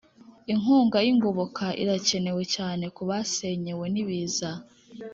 Inkunga y’ingoboka irakenewe cyane kubasenyewe nibiza